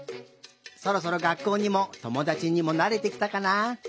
そろそろがっこうにもともだちにもなれてきたかな？